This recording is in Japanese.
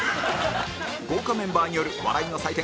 豪華メンバーによる笑いの祭典